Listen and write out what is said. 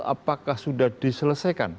apakah sudah diselesaikan